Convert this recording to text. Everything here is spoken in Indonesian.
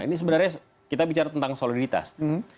ini sebenarnya kita bicara tentang soliditas